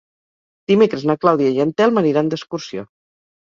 Dimecres na Clàudia i en Telm aniran d'excursió.